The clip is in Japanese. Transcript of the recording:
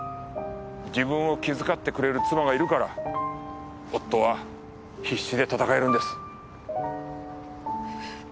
自分を気遣ってくれる妻がいるから夫は必死で戦えるんです。